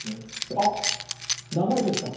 あっながれてきた。